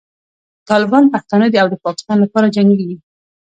طالبان پښتانه دي او د پاکستان لپاره جنګېږي.